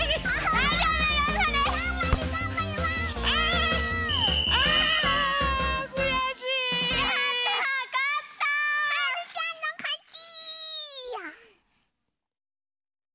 はるちゃんのかち！